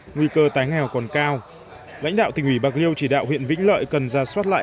nguy cơ tái nghèo còn cao lãnh đạo tỉnh ủy bạc liêu chỉ đạo huyện vĩnh lợi cần ra soát lại